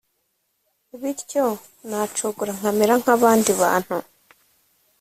bityo nacogora nkamera nk'abandi bantu